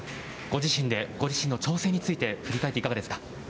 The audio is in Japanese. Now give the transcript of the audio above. ご自身で、ご自身の挑戦について、振り返っていかがですか。